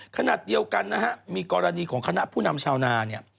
ขณะเดียวกันนะฮะมีกรณีของคณะผู้นำชาวนาเนี่ย